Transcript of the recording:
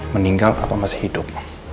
meninggal atau masih hidup